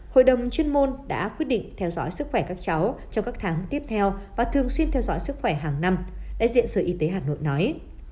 hội đồng chuyên môn đã quyết định theo dõi sức khỏe các cháu trong các tháng tiếp theo và thường xuyên theo dõi sức khỏe hàng năm đại diện sở y tế hà nội nói